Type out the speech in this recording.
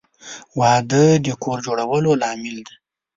• واده د کور جوړولو لامل دی.